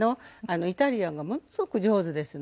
イタリアンがものすごく上手ですので。